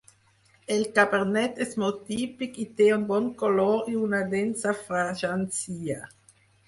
El cabernet és molt típic i té un bon color i una a densa fragància.